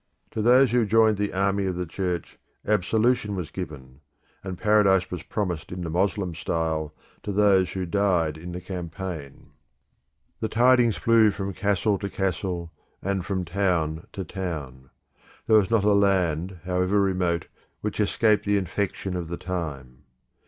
To those who joined the army of the Church, absolution was given; and paradise was promised in the Moslem style to those who died in the campaign. The tidings flew from castle to castle, and from town to town; there was not a land, however remote, which escaped the infection of the time.